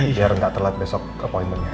biar nggak terlihat besok poinmentnya